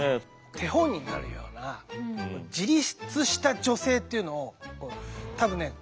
手本になるような自立した女性っていうのを多分ね